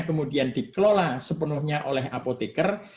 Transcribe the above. kemudian dikelola sepenuhnya oleh apoteker